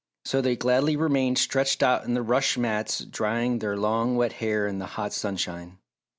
So they gladly remained stretched out on the rush mats drying their long wet hair in the hot sunshine.